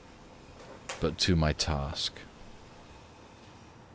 But to my task.